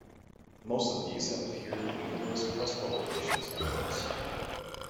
Most of these have appeared in numerous press publications and books.